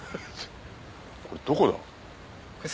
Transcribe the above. これどこだ？